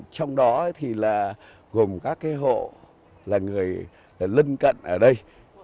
trong đó thì là gồm các hộ là người lân cận ở đây